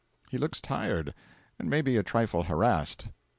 He looks tired, and maybe a trifle harassed.